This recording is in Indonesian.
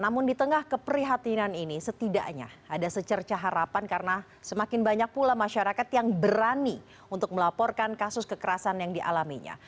namun di tengah keprihatinan ini setidaknya ada secerca harapan karena semakin banyak pula masyarakat yang berani untuk melaporkan kasus kekerasan yang dialaminya